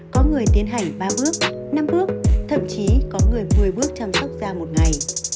có người tiến hành ba bước năm bước thậm chí có người vuôi bước chăm sóc da một ngày